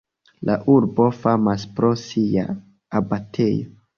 La urbo famas pro sia abatejo.